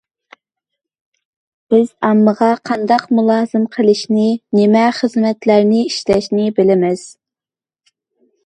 بىز ئاممىغا قانداق مۇلازىملىق قىلىشنى، نېمە خىزمەتلەرنى ئىشلەشنى بىلىمىز.